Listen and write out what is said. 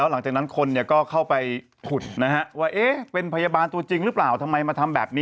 ให้เยอะครับ